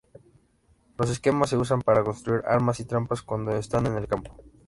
Los esquemas se usan para construir armas y trampas cuando están en el campo.